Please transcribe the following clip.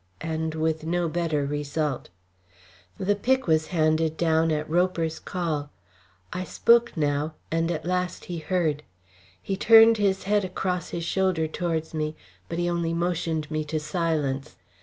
and with no better result. The pick was handed down at Roper's call. I spoke now, and at last he heard. He turned his head across his shoulder towards me, but he only motioned me to silence.